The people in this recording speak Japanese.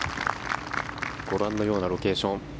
ご覧のようなロケーション。